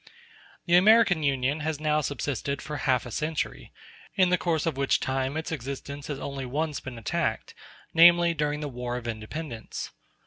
The American Union has now subsisted for half a century, in the course of which time its existence has only once been attacked, namely, during the War of Independence.